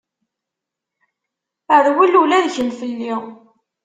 Rwel ula d kemm fell-i.